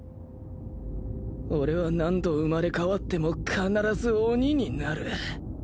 俺は何度生まれ変わっても必ず鬼になる